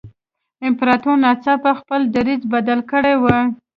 امپراتور ناڅاپه خپل دریځ بدل کړی وای.